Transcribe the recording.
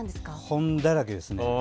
本だらけですね。